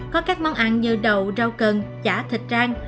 có các món ăn như đậu rau cần chả thịt trang